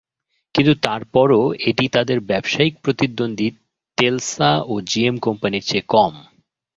কিন্তু তারপরও এটি তাদের ব্যবসায়িক প্রতিদ্বন্দ্বী টেলসা ও জিএম কোম্পানির চেয়ে কম।